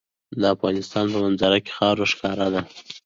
د افغانستان په منظره کې خاوره ښکاره ده.